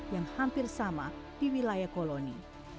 yang hampir sama di wilayah koloni